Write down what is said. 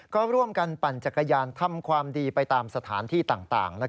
ก็ร่วมกันปั่นจักรยานทำความดีไปตามสถานที่ต่าง